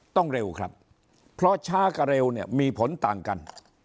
เร็วครับเพราะช้ากับเร็วเนี่ยมีผลต่างกัน